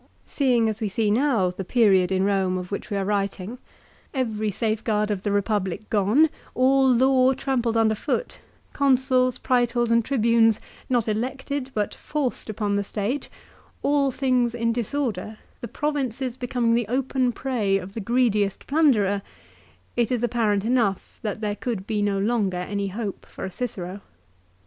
Seen as we see now the period in Rome of which we are writing, every safeguard of the Republic gone, all law trampled under foot, Consuls, Praetors, and Tribunes not elected but forced upon the State, all things in disorder, the provinces becoming the open prey of the greediest plunderer, it is apparent enough that there could be no longer any hope for a Cicero.